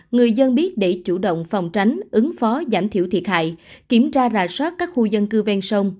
người dân biết để chủ động phòng tránh ứng phó giảm thiểu thiệt hại kiểm tra rà soát các khu dân cư ven sông